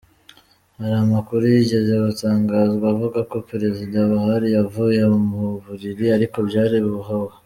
Hari amakuru yigeze gutangazwa avuga ko Perezida Buhari yavuye mu mubiri ariko byari ibihuha.